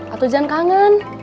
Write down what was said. atau jangan kangen